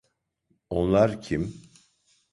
Onlar kim?